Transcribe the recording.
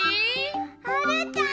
はるちゃん。